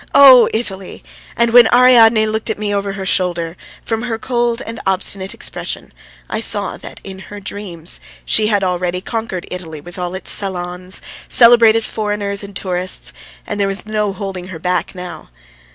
oh, Italy! And when Ariadne looked at me over her shoulder, from her cold and obstinate expression I saw that in her dreams she had already conquered Italy with all its salons, celebrated foreigners and tourists, and there was no holding her back now.